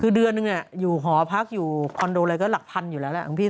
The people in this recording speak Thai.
คือเดือนนึงหอพักหอคอนโดอะไรก็หลักพันอยู่แล้วแหละอันพี่๒๐๐๐